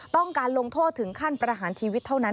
ต้องการลงโทษถึงขั้นประหารชีวิตเท่านั้น